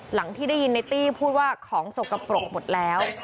ที่ได้ยินในตี้พูดว่าของสกปรกหมดแล้ว